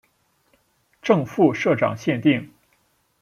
正副社长限定